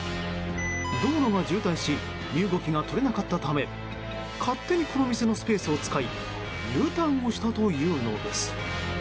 道路が渋滞し身動きが取れなかったため勝手にこの店のスペースを使いＵターンをしたというのです。